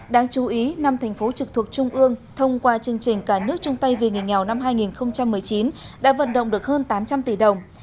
đáng chú ý năm thành phố trực thuộc trung ương thông qua chương trình cả nước chung tay vì người nghèo năm hai nghìn một mươi chín đã vận động được hơn tám trăm linh tỷ đồng